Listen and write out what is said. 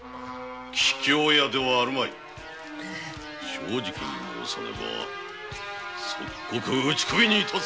正直に申さねば即刻打ち首に致すぞ！